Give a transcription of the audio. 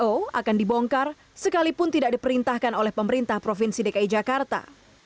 akan dibongkar sekalipun tidak diperintahkan oleh pemerintah provinsi dki jakarta